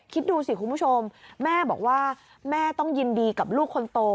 คิดดูสิคุณผู้ชมแม่บอกว่าแม่ต้องยินดีกับลูกคนโต